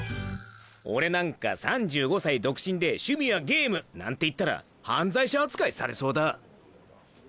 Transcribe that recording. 俺なんか３５歳独身で趣味はゲームなんて言ったら犯罪者扱いされそうだ。